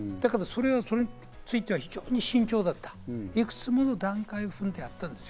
それについては非常に慎重だった、いくつ目かの段階を踏んで、やった。